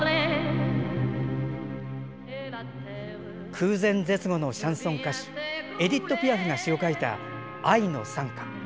空前絶後のシャンソン歌手エディット・ピアフが詞を書いた「愛の讃歌」。